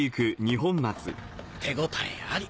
手応えあり。